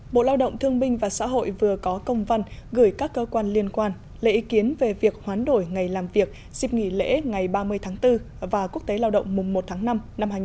bộ lao động thương minh và xã hội vừa có công văn gửi các cơ quan liên quan lấy ý kiến về việc hoán đổi ngày làm việc dịp nghỉ lễ ngày ba mươi tháng bốn và quốc tế lao động mùng một tháng năm năm hai nghìn hai mươi bốn